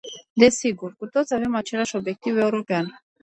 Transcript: Desigur, cu toții avem același obiectiv european.